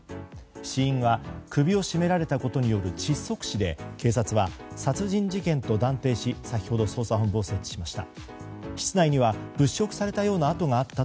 死因は首を絞められたことによる窒息死で警察は、殺人事件と断定し先ほど捜査本部を設置しました。